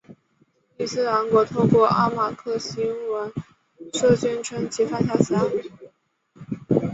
伊斯兰国透过阿马克新闻社宣称其犯下此案。